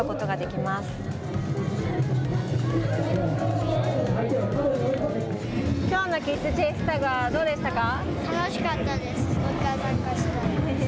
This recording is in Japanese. きょうのキッズチェイスタグはどうでしたか。